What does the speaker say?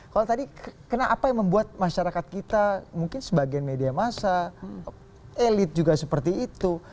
kalau tadi kenapa yang membuat masyarakat kita mungkin sebagian media massa elit juga seperti itu